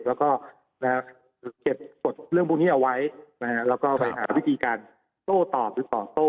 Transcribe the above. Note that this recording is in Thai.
แล้วก็เก็บกฎเรื่องพวกนี้เอาไว้แล้วก็ไปหาวิธีการโต้ตอบหรือตอบโต้